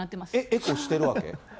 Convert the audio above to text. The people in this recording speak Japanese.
エコしてるわけ？